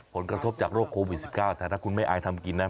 ผลกระทบจากโรคโควิด๑๙แต่ถ้าคุณไม่อายทำกินนะ